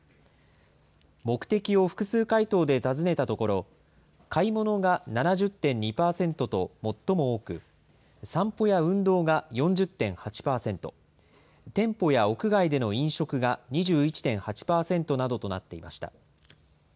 目的を複数回答で尋ねたところ、買い物が７０．２％と最も多く、散歩や運動が４０．８％、店舗や屋外での飲食が２１．８％などとなっていました。